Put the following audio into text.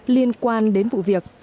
liên quan đến vụ việc